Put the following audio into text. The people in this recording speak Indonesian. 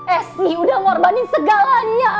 esi udah ngorbanin segalanya